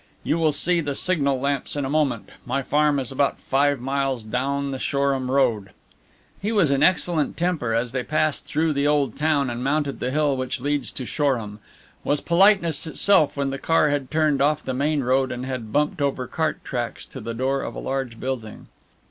You will see the signal lamps in a moment. My farm is about five miles down the Shoreham Road." He was in an excellent temper as they passed through the old town and mounted the hill which leads to Shoreham, was politeness itself when the car had turned off the main road and had bumped over cart tracks to the door of a large building.